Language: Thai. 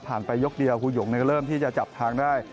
ผ่านไปยกเดียวฮูยงเริ่มที่จะจับทางได้